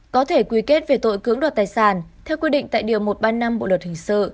có thể quy kết về tội cưỡng đoạt tài sản theo quy định tại điều một trăm ba mươi năm bộ luật hình sự